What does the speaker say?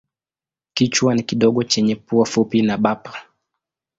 Kichwa ni kidogo chenye pua fupi na bapa.